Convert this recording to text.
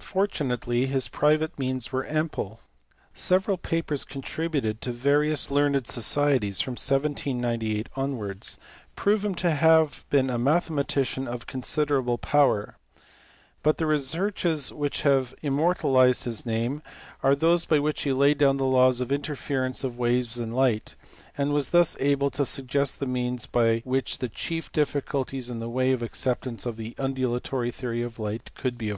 Fortunately his private means were ample. Several papers contributed to various learned societies from 1798 onwards prove him to have been a mathematician of considerable power ; but the researches which have immortalized his name are those by which he laid down the laws of interference of waves and of light, and was thus able to suggest the means by which the chief difficulties in the way of acceptance of the undulatory theory of light could be overcome.